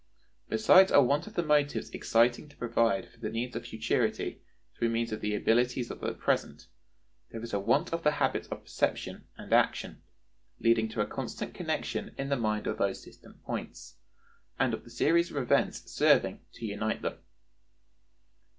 Besides a want of the motives exciting to provide for the needs of futurity through means of the abilities of the present, there is a want of the habits of perception and action, leading to a constant connection in the mind of those distant points, and of the series of events serving to unite them.